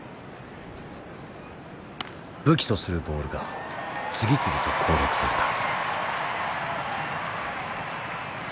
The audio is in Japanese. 武器とするボールが次々と攻略された。